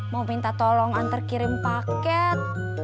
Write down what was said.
mau minta tolong antar kirim paket